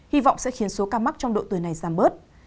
hy vọng sẽ khiến số ca mắc trong độ tuổi này giảm bớt